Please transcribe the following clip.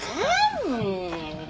もう。